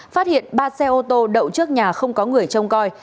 phát hiện ba xe ô tô đậu trước nhà không có người trông coi